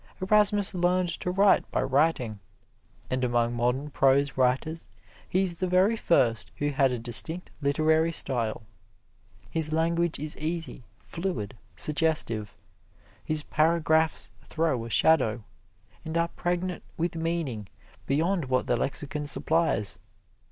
Erasmus learned to write by writing; and among modern prose writers he is the very first who had a distinct literary style. His language is easy, fluid, suggestive. His paragraphs throw a shadow, and are pregnant with meaning beyond what the lexicon supplies.